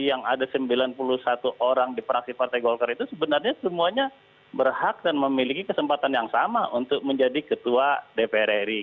yang ada sembilan puluh satu orang di praksi partai golkar itu sebenarnya semuanya berhak dan memiliki kesempatan yang sama untuk menjadi ketua dpr ri